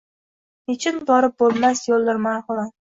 Nechun borib bo‘lmas yo‘ldir Marg‘ilon?!“